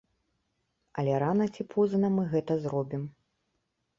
Але рана ці позна мы гэта зробім.